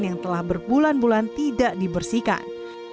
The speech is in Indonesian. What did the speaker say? yang telah berbulan bulan tidak dibersihkan